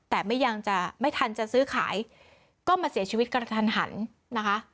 แต่ไม่ยังจะไม่ทันจะซื้อขายก็มาเสียชีวิตกระทันหันนะคะ